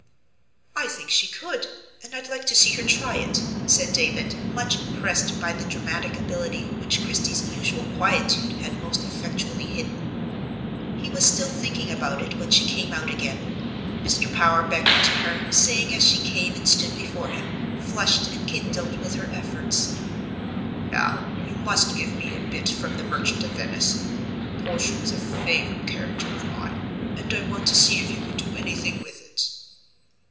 "I think she could; and I'd like to see her try it," said David, much impressed by the dramatic ability which Christie's usual quietude had most effectually hidden. He was still thinking about it, when she came out again. Mr. Power beckoned to her; saying, as she came and stood before him, flushed and kindled with her efforts: "Now, you must give me a bit from the 'Merchant of Venice.' Portia is a favorite character of mine, and I want to see if you can do any thing with it."